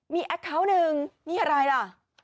มีแอคเคาน์หนึ่งนี่อะไรล่ะ